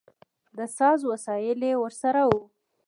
د ساز وسایل یې ورسره و.